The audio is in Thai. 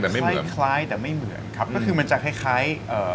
แต่ไม่คล้ายแต่ไม่เหมือนครับก็คือมันจะคล้ายคล้ายเอ่อ